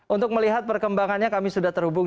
untuk melihat perkembangannya kami sudah terhubung